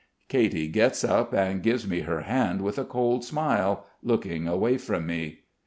Katy gets up and gives me her hand with a cold smile, looking away from me.